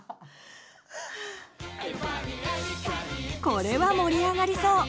これは盛り上がりそう！